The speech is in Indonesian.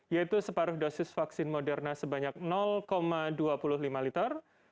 yaitu separuh dosis vaksin moderna sebanyak dua puluh lima liter